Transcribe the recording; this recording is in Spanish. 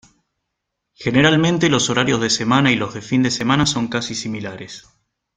Generalmente, los horarios de semana y los de fin de semana son casi similares.